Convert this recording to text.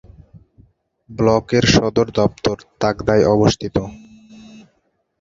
ব্লকের সদর দফতর তাকদায় অবস্থিত।